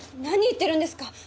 何言ってるんですか！？